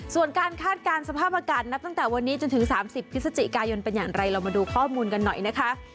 ส่วนการคาดการณ์สภาพอากาศนับตั้งแต่วันนี้จนถึง๓๐พฤศจิกายนเป็นอย่างไรเรามาดูข้อมูลกันหน่อยนะคะ